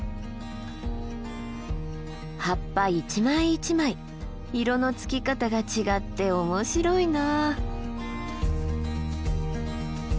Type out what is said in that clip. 葉っぱ一枚一枚色のつき方が違って面白いな。